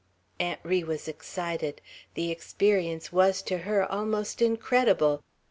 Aunt Ri was excited. The experience was, to her, almost incredible.